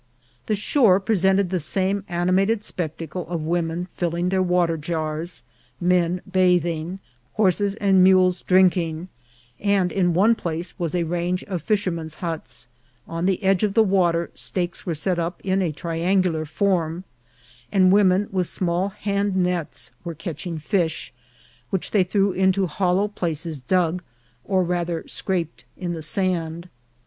The shore presented the same animated spectacle of women filling their water jars, men bathing, horses and mules drinking, and in one place was a range of fishermen's huts ; on the edge of the water stakes were set up in a triangular form, and women with small hand nets were catching fish, which they threw into hollow places dug, or rather LAKE OP MANAGUA. 17 scraped, in the sand.